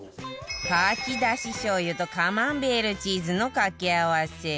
牡蠣だし醤油とカマンベールチーズの掛け合わせ